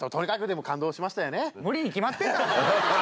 無理に決まってんだろ！